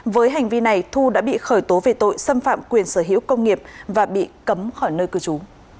với hành vi này thu đã bị khởi tố về tội xâm phạm quyền sở hữu công nghiệp và bị cấm khỏi nơi cư trú